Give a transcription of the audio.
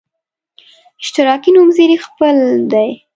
اشتراکي نومځري خپل دی.